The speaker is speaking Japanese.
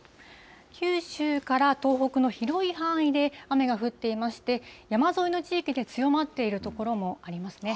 九州から東北の広い範囲で、雨が降っていまして、山沿いの地域で強まっている所もありますね。